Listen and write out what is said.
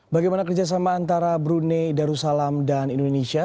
bagaimana kerjasama antara brunei darussalam dan indonesia